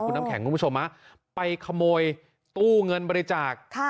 น้ำแข็งคุณผู้ชมไปขโมยตู้เงินบริจาค